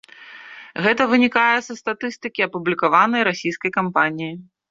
Гэта вынікае са статыстыкі, апублікаваная расійскай кампаніяй.